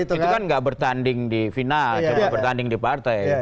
itu kan gak bertanding di vina cuma bertanding di partai